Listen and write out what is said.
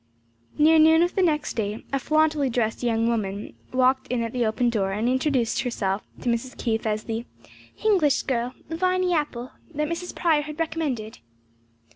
Near noon of the next day a flauntily dressed young woman walked in at the open door and introduced herself to Mrs. Keith as the "Hinglish girl, Viny Apple, that Mrs. Prior had recommended."